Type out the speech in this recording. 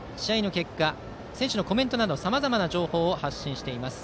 結果選手のコメントなどさまざまな情報を発信しています。